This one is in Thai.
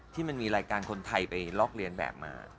ที่มันมีรายการคนไทยไปลอกเรียนแบบมา